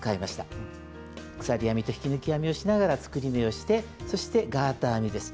鎖編みと引き抜き編みをしながら作り目をしてそしてガーター編みです。